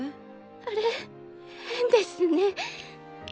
あれ変ですね。